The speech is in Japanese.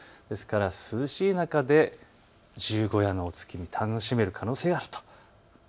涼しい中で十五夜のお月見、楽しめる可能性があると。